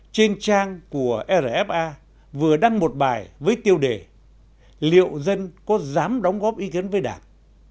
trên trang của rfa vừa đăng một bài với tiêu đề liệu dân có dám đóng góp ý kiến với đảng